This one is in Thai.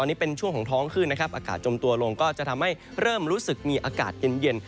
ตอนนี้เป็นช่วงของท้องขึ้นนะครับอากาศจมตัวลงก็จะทำให้เริ่มรู้สึกมีอากาศเย็น